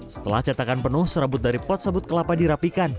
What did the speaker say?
setelah catakan penuh serabut dari pot sabut kelapa dirapikan